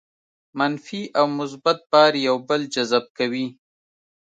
منفي او مثبت بار یو بل جذب کوي.